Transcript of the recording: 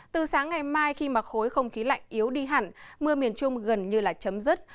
từ sáng ngày mai khi mà khối không khí lạnh yếu đi hẳn mưa miền trung gần như là chấm dứt